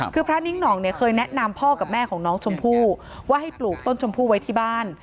คือพระนิ้งหน่องเนี่ยเคยแนะนำพ่อกับแม่ของน้องชมพู่ว่าให้ปลูกต้นชมพู่ไว้ที่บ้าน